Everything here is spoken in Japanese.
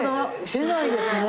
出ないですね。